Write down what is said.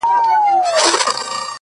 ستا د پښو ترپ ته هركلى كومه؛